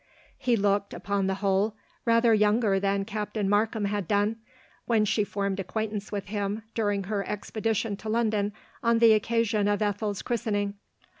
He looked, upon the whole, rather younger than Captain Markham had done, when she formed acquaintance with him, during her ex pedition to London on the occasion of Ethel's christening.